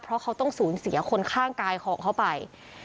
เพราะเขาต้องสูญเสียคนข้างกายของเขาไป